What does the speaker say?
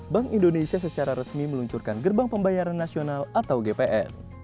bank indonesia secara resmi meluncurkan gerbang pembayaran nasional atau gpn